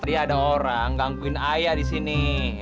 tadi ada orang gangguin ayah disini